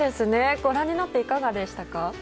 ご覧になって、いかがでしたか？